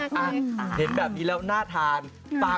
ฝากร้านหน่อยครับสามารถติดต่อได้อะไรบ้างครับ